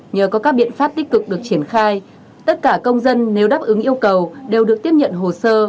nhờ có các biện pháp tích cực được triển khai tất cả công dân nếu đáp ứng yêu cầu đều được tiếp nhận hồ sơ